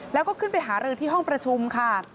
แล้วก็ขึ้นไปหารือที่ห้องประชุมค่ะ